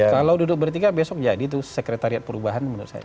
kalau duduk bertiga besok jadi tuh sekretariat perubahan menurut saya